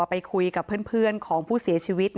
ไปคุยกับเพื่อนของผู้เสียชีวิต